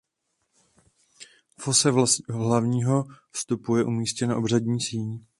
V ose hlavního vstupu je umístěna obřadní síň.